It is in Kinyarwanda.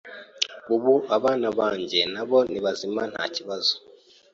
ubu abana banjye nabo ni bazima nta kibazo